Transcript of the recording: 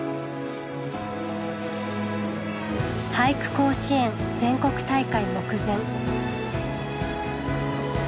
甲子園全国大会目前。